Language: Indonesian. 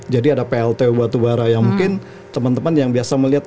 jadi ada plt batubara yang mungkin teman teman yang biasa melihat